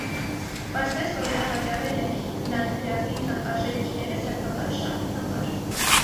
Պարզվեց, որ նա վաճառել է լանդգրաֆի թանկարժեք իրերը սեփական շահի համար։